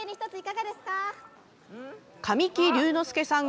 神木隆之介さん